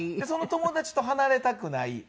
その友達と離れたくない。